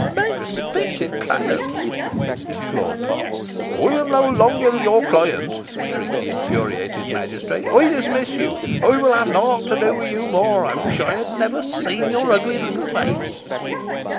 "My respected client!" implored Potts. "I am no longer your client!" shrieked the infuriated magistrate. "I dismiss you. I will have nought to do with you more. I wish I had never seen your ugly little face!"